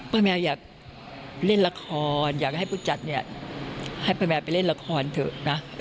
แมวอยากเล่นละครอยากให้ผู้จัดเนี่ยให้ป้าแมวไปเล่นละครเถอะนะ